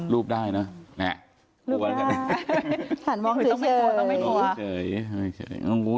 ลูบได้เนี่ย